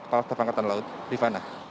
kepal staff angkatan laut rifana